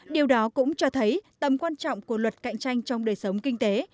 điều đó cũng cho thấy tầm quan trọng của luật cạnh tranh trong đời sống kinh tế